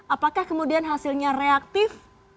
apakah kemudian hasilnya reaktif